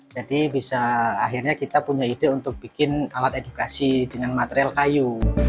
jadi bisa akhirnya kita punya ide untuk bikin alat edukasi dengan material kayu